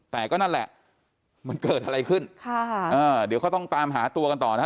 แต่ก็นั่นแหละมันเกิดอะไรขึ้นค่ะอ่าเดี๋ยวเขาต้องตามหาตัวกันต่อนะฮะ